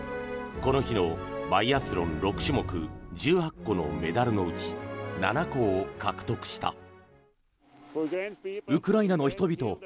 この日のバイアスロン６種目１８個のメダルのうち７個を獲得した。